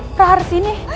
prah harus ini